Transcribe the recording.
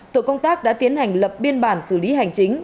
tổ công tác đã tiến hành lập biên bản xử lý hành chính